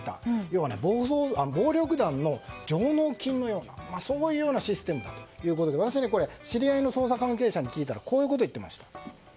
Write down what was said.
要は暴力団の上納金のようなそういうようなシステムだということで私、これ知り合いの捜査関係者に聞いたらこういうことを言っていました。